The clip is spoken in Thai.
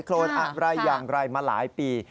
โลนอะไรอย่างไรมาหลายปี